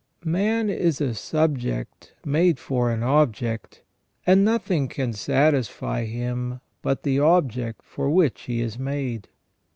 Man is a subject made for an object, and nothing can satisfy him but the object for which he is made.